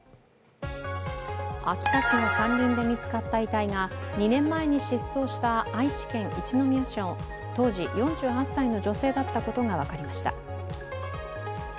秋田市の山林で見つかった遺体が２年前に失踪した愛知県一宮市の当時４８歳の女性だったことが分かりました。